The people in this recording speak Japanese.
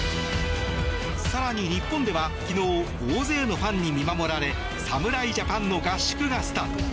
更に、日本では昨日大勢のファンに見守られ侍ジャパンの合宿がスタート。